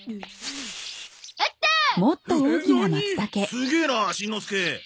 すげえなしんのすけ。